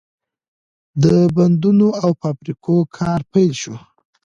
د بندونو او فابریکو کار پیل شو.